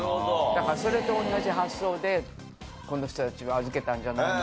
だからそれと同じ発想でこの人たちは預けたんじゃないの？